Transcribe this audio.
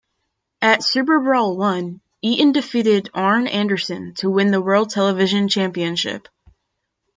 At SuperBrawl I, Eaton defeated Arn Anderson to win the World Television Championship.